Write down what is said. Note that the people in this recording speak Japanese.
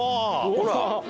ほら！